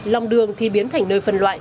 lòng đường thì biến thành nơi phân loại